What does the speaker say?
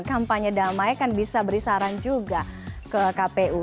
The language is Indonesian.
kampanye damai kan bisa beri saran juga ke kpu